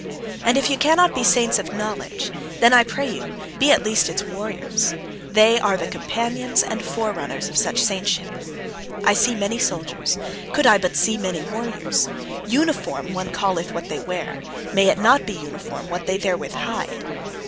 And if ye cannot be saints of knowledge, then, I pray you, be at least its warriors. They are the companions and forerunners of such saintship. I see many soldiers; could I but see many warriors! "Uniform" one calleth what they wear; may it not be uniform what they therewith hide!